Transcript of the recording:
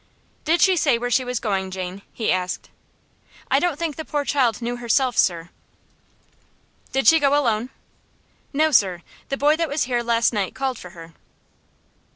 "Did she say where she was going, Jane?" he asked. "I don't think the poor child knew herself, sir." "Did she go alone?" "No, sir; the boy that was here last night called for her."